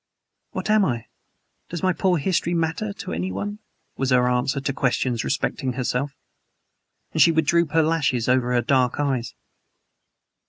"What am I? Does my poor history matter to anyone?" was her answer to questions respecting herself. And she would droop her lashes over her dark eyes.